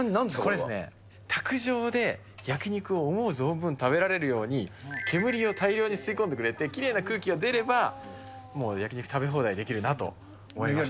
これですね、卓上で焼き肉を思う存分食べられるように、煙を大量に吸い込んでくれて、きれいな空気が出れば、焼き肉食べ放題できるなと思いまして。